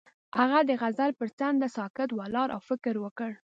هغه د غزل پر څنډه ساکت ولاړ او فکر وکړ.